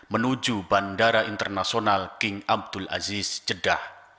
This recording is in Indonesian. menuju bandara internasional king abdul aziz jeddah